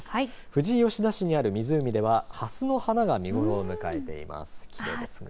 富士吉田市にある湖ではハスの花が見頃を迎えています。